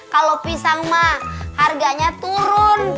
kalau pisang mah harganya turun